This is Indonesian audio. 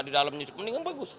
di dalamnya cukup mendingan bagus